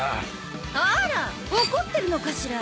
あら怒ってるのかしら？